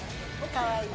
かわいいな。